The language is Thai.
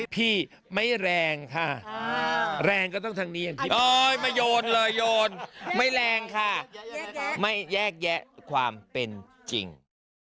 พี่ไม่แรงค่ะแรงก็ต้องทางนี้ไม่แรงค่ะแยกแยะความเป็นจริง